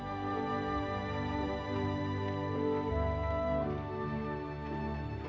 kalah website saya dari jab towards blood